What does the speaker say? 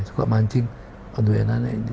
suka mancing aduh ya nananya ini